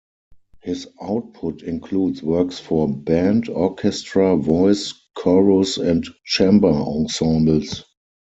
His output includes works for band, orchestra, voice, chorus and chamber ensembles.